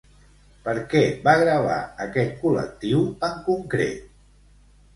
Per què va gravar a aquest col·lectiu en concret?